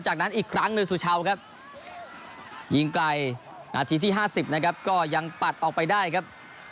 จากนั้นอีกครั้งหนึ่งสุชาวครับยิงไกลนาทีที่๕๐นะครับก็ยังปัดออกไปได้ครับ